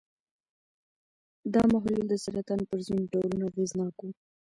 دا محلول د سرطان پر ځینو ډولونو اغېزناک و.